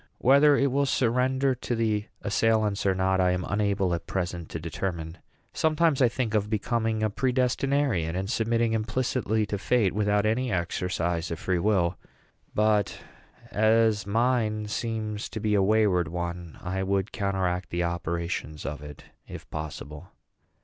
Whether it will surrender to the assailants or not I am unable at present to determine. Sometimes I think of becoming a predestinarian, and submitting implicitly to fate, without any exercise of free will; but, as mine seems to be a wayward one, I would counteract the operations of it, if possible.